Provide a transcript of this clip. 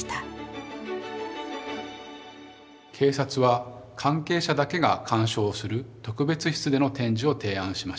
警察は関係者だけが鑑賞する特別室での展示を提案しました。